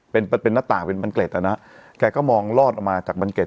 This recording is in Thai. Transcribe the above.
เป็นเป็นหน้าต่างเป็นบันเกร็ดอ่ะนะแกก็มองลอดออกมาจากบันเกร็